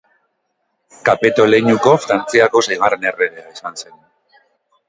Kapeto leinuko Frantziako seigarren erregea izan zen.